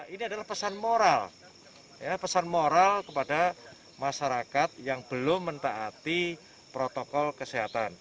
ini adalah pesan moral pesan moral kepada masyarakat yang belum mentaati protokol kesehatan